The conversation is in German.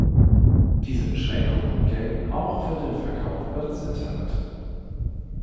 Diese Beschränkungen gelten auch für den Verkauf über das Internet.